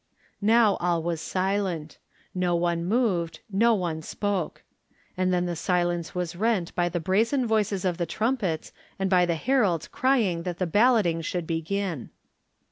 Now all was silent. No one moved, no one spoke. And then the silence was rent by the brazen voices of the trumpets and by the heralds crying that the balloting should begin.